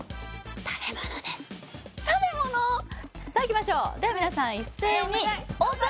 食べ物です食べ物さあいきましょうでは皆さん一斉にオープンジャジャン